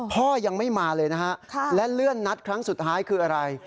พ่อยังไม่มาเลยนะฮะและเลื่อนนัดครั้งสุดท้ายคืออะไร